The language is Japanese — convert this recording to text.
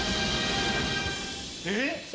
えっ！